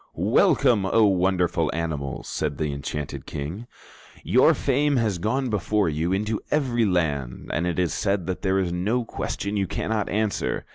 "Welcome, O wonderful animals," said the enchanted King. "Your fame has gone before you into every land, and it is said that there is no question you cannot answer.